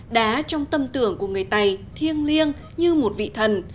đá trong tâm tưởng của người tày thiêng liêng như một vị thần